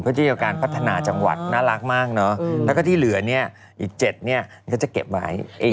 เพื่อที่จะทำการพัฒนาจังหวัดน่ารักมากเนอะแล้วก็ที่เหลืออีก๗ก็จะเก็บไว้เอง